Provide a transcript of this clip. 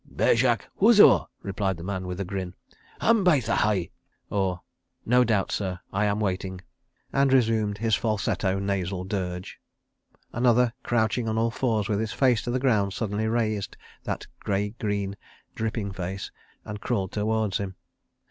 "Béshak Huzoor," replied the man with a grin, "ham baitha hai," {221b} and resumed his falsetto nasal dirge. Another, crouching on all fours with his face to the ground, suddenly raised that grey green, dripping face, and crawled towards him.